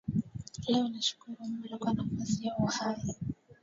Leo nashukuru Mola kwa nafasi ya uhai.